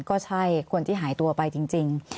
ก็ใช่คนที่หายตัวไปจริง